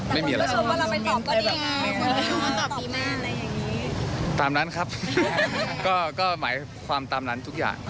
อะไรอย่างนี้ตามนั้นครับก็หมายความตามนั้นทุกอย่าง